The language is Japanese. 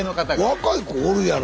若い子おるやろ。